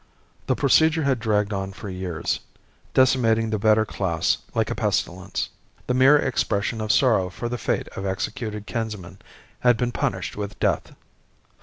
The procedure had dragged on for years, decimating the better class like a pestilence. The mere expression of sorrow for the fate of executed kinsmen had been punished with death.